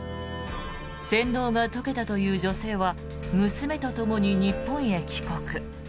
洗脳が解けたという女性は娘とともに日本へ帰国。